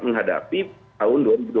menghadapi tahun dua ribu dua puluh